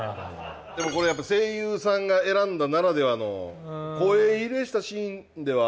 でもコレやっぱ声優さんが選んだならではの。